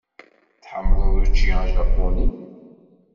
Tḥemmleḍ učči ajapuni?